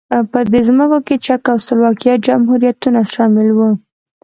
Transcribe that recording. په دې ځمکو کې چک او سلواکیا جمهوریتونه شامل وو.